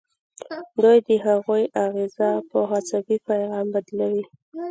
دوی د هغوی اغیزه په عصبي پیغام بدلوي.